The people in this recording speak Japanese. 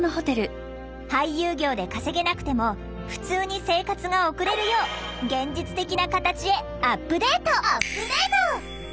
俳優業で稼げなくてもふつうに生活が送れるよう現実的な形へアップデート！